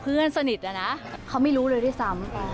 อ๋อเพื่อนสนิทนะจริงเขาไม่รู้เลยทุกธ์ซ้ำ